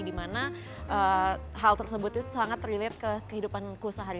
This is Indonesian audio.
di mana hal tersebut itu sangat relate ke kehidupan ku sehat